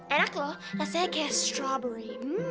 enak lho rasanya kayak strawberry